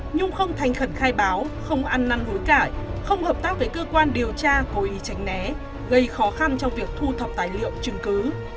nhung không thành khẩn khai báo không ăn năn hối cải không hợp tác với cơ quan điều tra cố ý tránh né gây khó khăn trong việc thu thập tài liệu chứng cứ